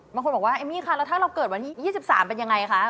บางคนบอกว่าเอมมี่ค่ะแล้วถ้าเราเกิดวันที่๒๓เป็นยังไงคะ